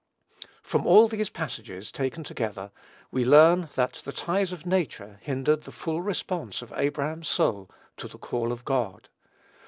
From all these passages taken together, we learn that the ties of nature hindered the full response of Abraham's soul to the call of God.